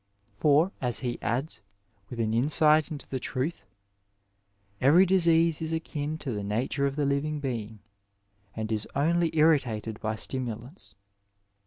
For, as he adds, with an insight into the truth, ' every disease is akin to the nature of the living being and is only irritated by stimulants.'